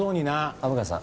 虻川さん